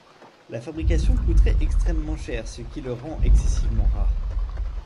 La fabrication coûterait extrêmement cher, ce qui le rend excessivement rare.